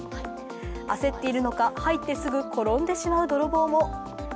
焦っているのか、入ってすぐ転んでしまう泥棒も。